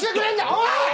おい！